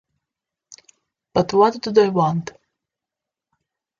But what do they want?